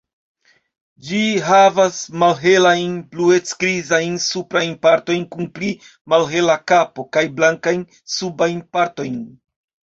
Ĝi havas malhelajn, bluec-grizajn suprajn partojn kun pli malhela kapo, kaj blankajn subajn partojn.